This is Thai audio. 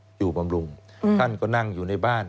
สวัสดีครับคุณผู้ชมค่ะต้อนรับเข้าที่วิทยาลัยศาสตร์